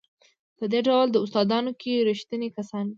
په دې ډول داستانونو کې ریښتوني کسان وي.